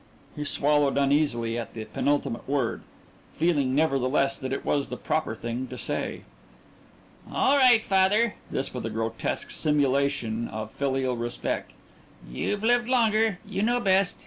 He swallowed uneasily at the penultimate word, feeling nevertheless that it was the proper thing to say. "All right, father" this with a grotesque simulation of filial respect "you've lived longer; you know best.